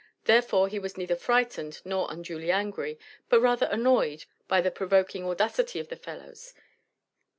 Therefore he was neither frightened nor unduly angry, but rather annoyed by the provoking audacity of the fellows.